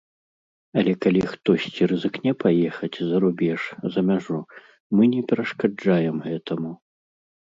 Але калі хтосьці рызыкне паехаць за рубеж, за мяжу, мы не перашкаджаем гэтаму.